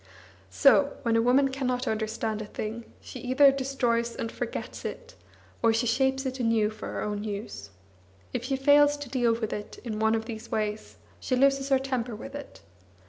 So, when a woman cannot understand a thing, she either destroys and forgets it, or she shapes it anew for her own use; if she fails to deal with it in one of these ways, she loses her temper with it.